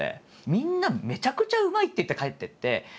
みんな「めちゃくちゃうまい！」って言って帰ってって。